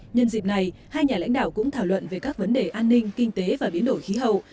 nhân dịp này hai nhà lãnh đạo cũng thảo luận về các vấn đề an ninh kinh tế và biến đổi khí hậu